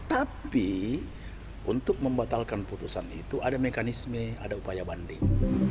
tapi untuk membatalkan putusan itu ada mekanisme ada upaya banding